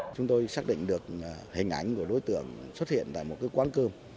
chúng tôi xác định được hình ảnh của đối tượng xuất hiện tại một quán cơm